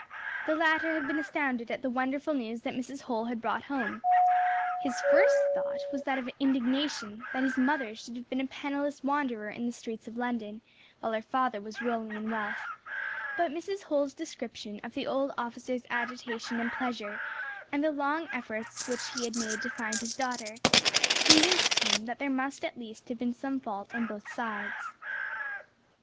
The latter had been astounded at the wonderful news that Mrs. Holl had brought home. His first thought was that of indignation, that his mother should have been a penniless wanderer in the streets of London, while her father was rolling in wealth; but Mrs. Holl's description of the old officer's agitation and pleasure, and the long efforts which he had made to find his daughter, convinced him that there must at least have been some fault on both sides.